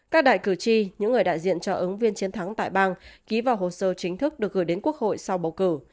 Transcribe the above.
các đại cử tri những người đại diện cho ứng viên chiến thắng tại bang ký vào hồ sơ chính thức được gửi đến quốc hội sau bầu cử